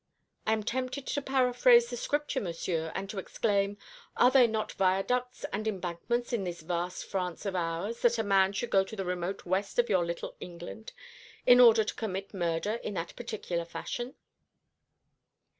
I am tempted to paraphrase the Scripture, Monsieur, and to exclaim, 'Are there not viaducts and embankments in this vast France of ours, that a man should go to the remote west of your little England in order to commit murder in that particular fashion!'"